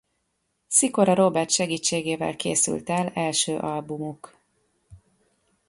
Szikora Róbert segítségével készült el első albumuk.